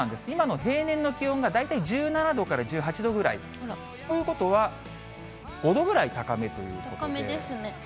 今の平年の気温が大体１７度から１８度ぐらい、ということは、高めですね。